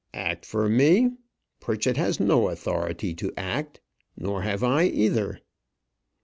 "Act for me! Pritchett has no authority to act nor have I either."